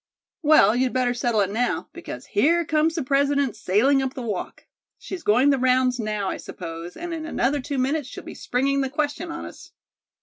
"Well, you'd better settle it now, because here comes the President sailing up the walk. She's going the rounds now, I suppose, and in another two minutes she'll be springing the question on us."